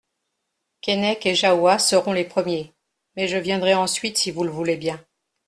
Keinec et Jahoua seront les premiers ; mais je viendrai ensuite si vous le voulez bien.